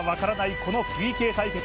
このＰＫ対決。